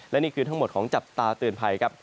และนี่คือทั้งหมดของจับตาเตือนภัยครับ